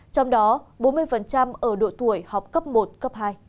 trong đó bốn mươi ở độ tuổi học cấp một cấp hai